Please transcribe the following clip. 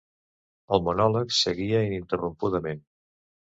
El monòleg seguia ininterrompudament.